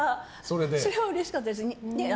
それはうれしかったですよ。